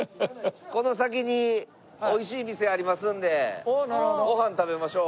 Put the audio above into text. この先においしい店ありますんでご飯食べましょう。